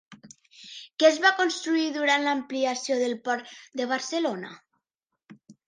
Què es va construir durant l'ampliació del Port de Barcelona?